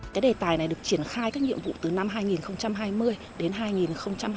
cái đề tài này được triển khai các nhiệm vụ từ năm hai nghìn hai mươi đến hai nghìn hai mươi